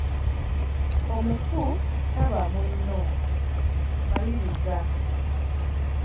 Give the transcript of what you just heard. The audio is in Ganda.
Omufu taba munno, Maliriza.